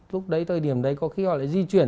lúc đấy thời điểm đấy có khi họ lại di chuyển